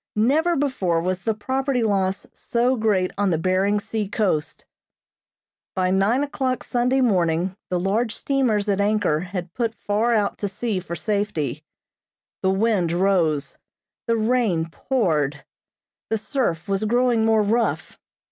Never before was the property loss so great on the Behring Sea coast. By nine o'clock Sunday morning the large steamers at anchor had put far out to sea for safety. The wind rose, the rain poured. The surf was growing more rough.